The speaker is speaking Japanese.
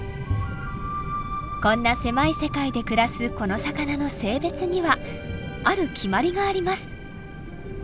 こんな狭い世界で暮らすこの魚の性別にはある決まりがあります。